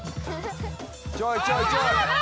ちょいちょいちょい。